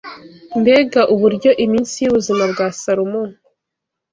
Mbega uburyo iminsi y’ubuzima bwa Salomo